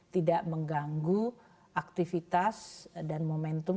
tidak mengganggu aktivitas dan momentum